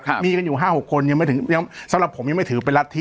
มีกันอยู่ห้าหกคนยังไม่ถึงยังสำหรับผมยังไม่ถือเป็นรัฐธิ